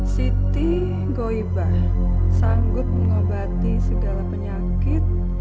siti ngoibah sanggup mengobati segala penyakit